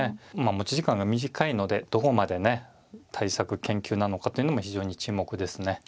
まあ持ち時間が短いのでどこまでね対策研究なのかというのも非常に注目ですね。